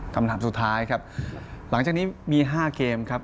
คำถามสุดท้ายครับหลังจากนี้มี๕เกมครับ